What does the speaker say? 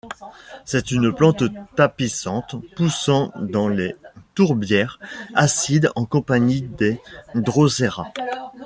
C'est une plante tapissante poussant dans les tourbières acides en compagnie des droséras.